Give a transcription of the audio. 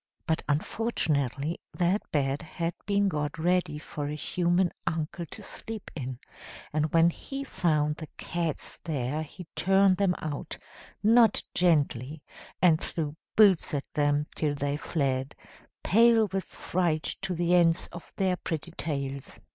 But unfortunately that bed had been got ready for a human uncle to sleep in; and when he found the cats there he turned them out, not gently, and threw boots at them till they fled, pale with fright to the ends of their pretty tails.